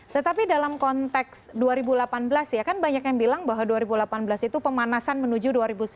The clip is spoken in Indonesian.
tetapi dalam konteks dua ribu delapan belas ya kan banyak yang bilang bahwa dua ribu delapan belas itu pemanasan menuju dua ribu sembilan belas